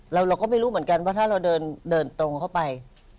เราก็ไม่รู้เหมือนกันว่าถ้าเราเดินตรงเข้าไป